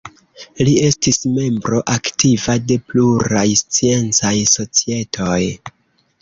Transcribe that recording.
Li estis membro aktiva de pluraj sciencaj societoj.